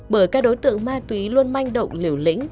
bởi các đối tượng ma túy luôn manh động liều lĩnh